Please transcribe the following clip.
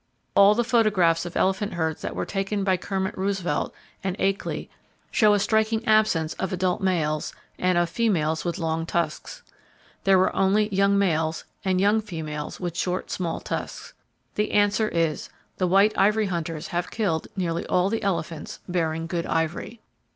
All the photographs of elephant herds that were taken by Kermit Roosevelt and Akeley show a striking absence of adult males and of females with long tusks. There are only young males, and young females with small, short tusks. The answer is—the white ivory hunters have killed nearly all the elephants bearing good ivory.